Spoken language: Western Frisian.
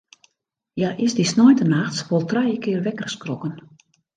Hja is dy sneintenachts wol trije kear wekker skrokken.